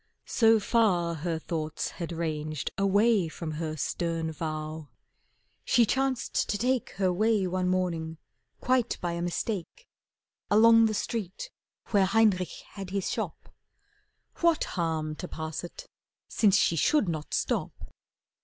So far her thoughts had ranged Away from her stern vow, she chanced to take Her way, one morning, quite by a mistake, Along the street where Heinrich had his shop. What harm to pass it since she should not stop!